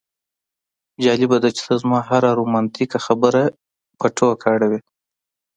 جالبه ده چې ته زما هره رومانتیکه خبره په ټوکه اړوې